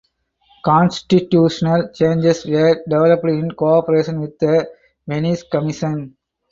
Constitutional changes were developed in cooperation with the Venice Commission.